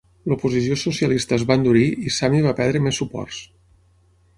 L'oposició socialista es va endurir i Sami va perdre més suports.